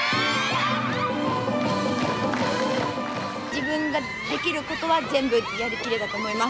自分ができることは全部やりきれたと思います。